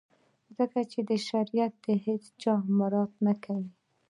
ځکه چي شریعت د هیڅ چا مراعات نه کوي.